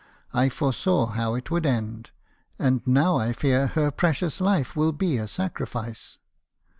I foresaw how it would end. And now I fear her pre cious life will be a sacrifice.'